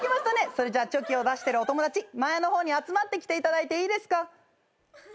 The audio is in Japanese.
それじゃあチョキを出してるお友達前の方に集まってきていただいていいですか。